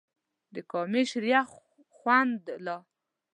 د کامې شریخ خوند لا